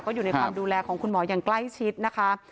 อยู่ในความดูแลของคุณหมออย่างใกล้ชิดนะคะ